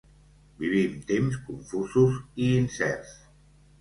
Vivim temps confusos i incerts.